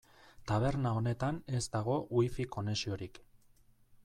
Taberna honetan ez dago Wi-Fi konexiorik.